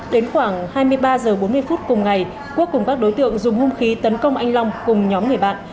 đến khoảng hai mươi ba h bốn mươi phút cùng ngày quốc cùng các đối tượng dùng hung khí tấn công anh long cùng nhóm người bạn